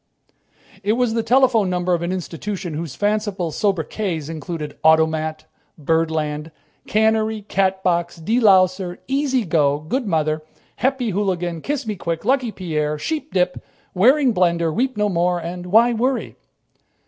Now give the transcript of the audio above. It was the telephone number of an institution whose fanciful sobriquets included: "Automat," "Birdland," "Cannery," "Catbox," "De louser," "Easy go," "Good by, Mother," "Happy Hooligan," "Kiss me quick," "Lucky Pierre," "Sheepdip," "Waring Blendor," "Weep no more" and "Why Worry?"